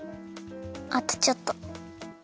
あとちょっと。